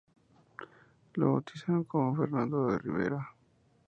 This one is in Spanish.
Lo bautizaron como Fernando de Ribera.